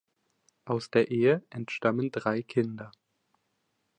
Aus der Ehe entstammen drei Kinder.